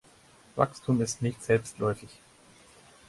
Wachstum ist nicht selbstläufig.